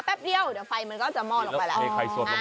แป๊บเดียวเดี๋ยวไฟมันก็จะมอดลงไปแล้ว